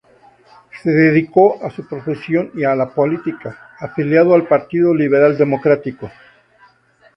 Se dedicó a su profesión y a la política, afiliado al Partido Liberal Democrático.